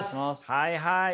はいはい。